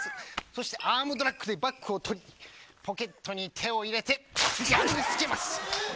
そしてアームドラックでバックを取りポケットに手を入れて破り捨てます。